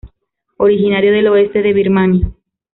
Originario del oeste de Birmania.